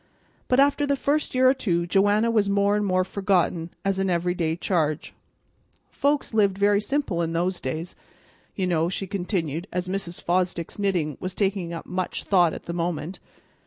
But after the first year or two Joanna was more and more forgotten as an every day charge. Folks lived very simple in those days, you know," she continued, as Mrs. Fosdick's knitting was taking much thought at the moment.